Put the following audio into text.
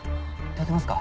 立てますか？